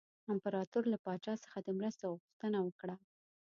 امپراطور له پاچا څخه د مرستې غوښتنه وکړه.